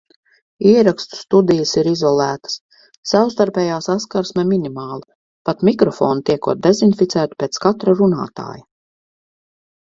Ierakstu studijas ir izolētas, savstarpējā saskarsme minimāla, pat mikrofoni tiekot dezinficēti pēc katra runātāja.